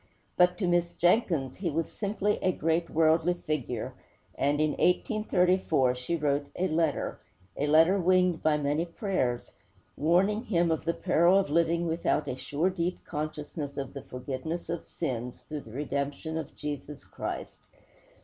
But, to Miss Jenkins, he was simply a great worldly figure, and, in 1834, she wrote a letter a letter winged by many prayers warning him of the peril of living without a sure, deep consciousness of the forgiveness of sins, through the redemption of Jesus Christ.